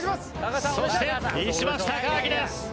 そして石橋貴明です。